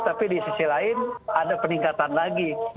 tapi di sisi lain ada peningkatan lagi pandemi ini